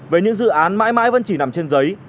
về những dự án mãi mãi vẫn chỉ nằm trên giấy